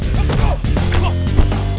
kau harus hafal penuh ya